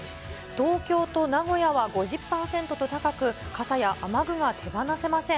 東京と名古屋は５０％と高く、傘や雨具が手放せません。